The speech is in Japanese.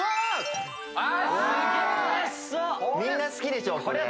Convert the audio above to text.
みんな好きでしょこれ。